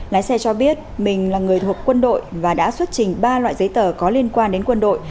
lái xe cho biết mình là người thuộc quân đội và đã xuất trình ba loại giấy tờ có liên quan đến quân đội